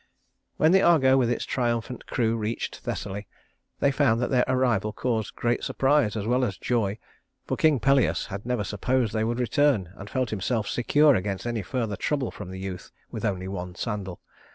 When the Argo with its triumphant crew reached Thessaly, they found that their arrival caused great surprise as well as joy, for King Pelias had never supposed they would return, and felt himself secure against any further trouble from the youth with only one sandal.